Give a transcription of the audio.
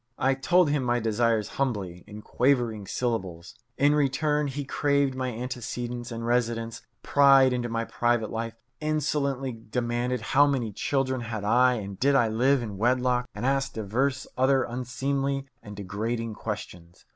I told him my desires humbly, in quavering syllables. In return, he craved my antecedents and residence, pried into my private life, insolently demanded how many children had I and did I live in wedlock, and asked divers other unseemly and degrading questions.